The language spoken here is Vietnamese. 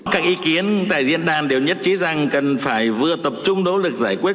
các ý kiến tại diễn đàn đều nhất trí rằng cần phải vừa tập trung đỗ lực giải quyết